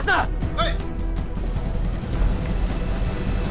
はい！